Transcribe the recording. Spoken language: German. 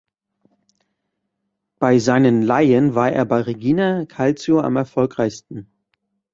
Bei seinen Leihen war er bei Reggina Calcio am erfolgreichsten.